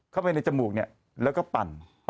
เข้าไปในจมูกแล้วก็ปั่น